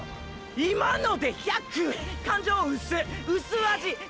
今ので１００⁉感情うすっ！！